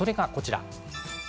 それがこちらです。